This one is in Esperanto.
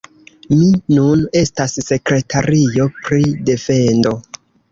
Mi nun estas sekretario pri defendo.